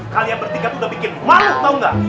kalian bertiga itu udah bikin malu tahu enggak